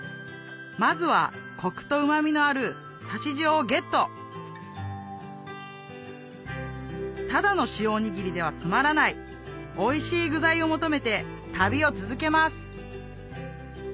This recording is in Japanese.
まずはコクとうまみのある差塩をゲットただの塩おにぎりではつまらないおいしい具材を求めて旅を続けます